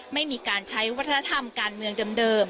ไม่มีการใช้วัฒนธรรมการเมืองเดิม